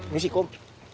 nih si kum